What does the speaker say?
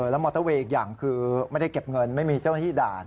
แล้วมอเตอร์เวย์อีกอย่างคือไม่ได้เก็บเงินไม่มีเจ้าหน้าที่ด่าน